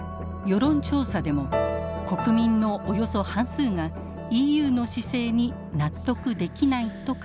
世論調査でも国民のおよそ半数がＥＵの姿勢に納得できないと回答。